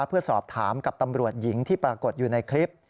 เพื่อสอบถามกับตำรวจหญิงที่ปรากฏอยู่ในคลิป